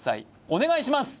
お願いします